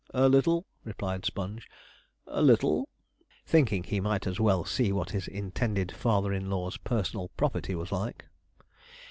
'A little,' replied Sponge, 'a little'; thinking he might as well see what his intended father in law's personal property was like.